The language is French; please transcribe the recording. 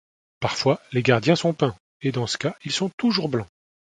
Parfois, les gardiens sont peints, et dans ce cas, ils sont toujours blancs.